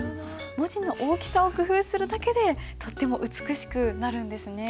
文字の大きさを工夫するだけでとっても美しくなるんですね。